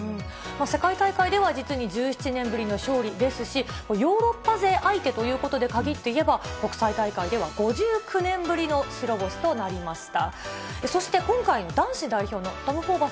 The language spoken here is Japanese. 世界大会では、実に１７年ぶりの勝利ですし、ヨーロッパ勢相手ということで、限って言えば、国際大会で５９年ぶりの白星ということになりました。